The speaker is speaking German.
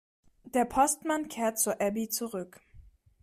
Der Postman kehrt zu Abby zurück.